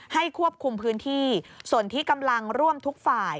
ควบคุมพื้นที่ส่วนที่กำลังร่วมทุกฝ่าย